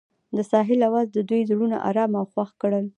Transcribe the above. د ساحل اواز د دوی زړونه ارامه او خوښ کړل.